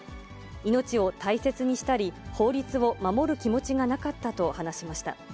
命を大切にしたり、法律を守る気持ちがなかったと話しました。